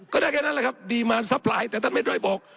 ก็ได้แค่นั้นแหละครับดีมารทรัพย์หลายแต่ท่านไม่ได้บอก